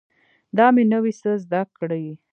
دا مې نوي څه زده کړي